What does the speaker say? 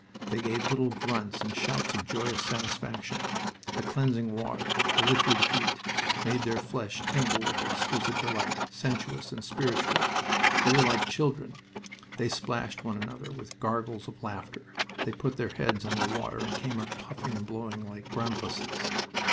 They gave little grunts and shouts of joyous satisfaction. The cleansing water, the liquid heat, made their flesh tingle with exquisite delight, sensuous and spiritual. They were like children. They splashed one another, with gurgles of laughter. They put their heads under water and came up puffing and blowing like grampuses.